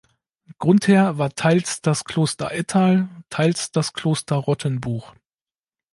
Grundherr war teils das Kloster Ettal, teils das Kloster Rottenbuch.